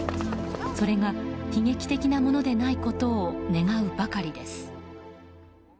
それが悲劇的なものでないことを願うばかりです。